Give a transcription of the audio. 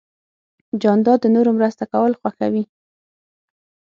جانداد د نورو مرسته کول خوښوي.